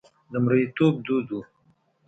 د مریتوب دود و.